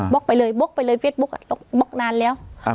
บล็อกไปเลยบล็อกไปเลยเฟสบุ๊คอ่ะบล็อกนานแล้วอ่า